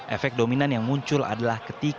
efek dominan yang muncul adalah ketika